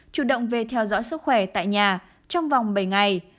chủ động về theo dõi sức khỏe tại nhà trong vòng bảy ngày